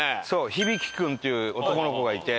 響大君っていう男の子がいて。